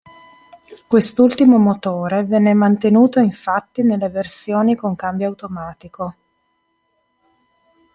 Quest'ultimo motore venne mantenuto infatti nelle versioni con cambio automatico.